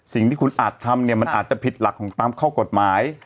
สิ่งที่คุณอาจทำเนี่ยมันอาจจะผิดหลักของตามข้อกฎหมาย